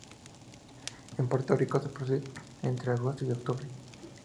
En Puerto Rico se produce entre agosto y octubre.